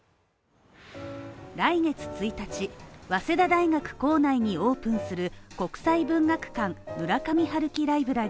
来月１日、早稲田大学構内にオープンする国際文学館